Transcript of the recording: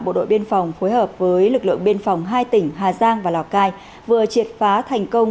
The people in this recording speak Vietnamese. bộ đội biên phòng phối hợp với lực lượng biên phòng hai tỉnh hà giang và lào cai vừa triệt phá thành công